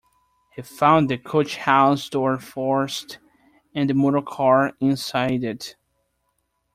He found the coach-house door forced and the motorcar inside it.